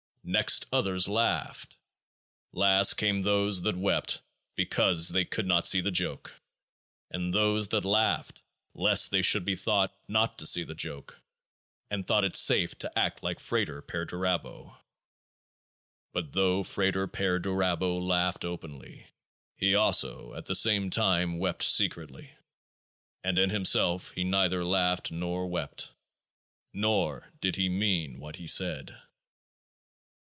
Next others laughed. Last came those that wept because they could not see the Joke, and those that laughed lest they should be thought not to see the Joke, and thought it safe to act like FRATER PERDURABO. But though FRATER PERDURABO laughed openly, He also at the same time wept secretly ; and in Himself He neither laughed nor wept. Nor did He mean what He said.